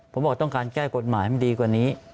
ผมบอกต้องการแก้กฎหมายมันดีกว่านี้